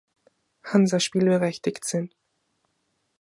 Hansa spielberechtigt sind.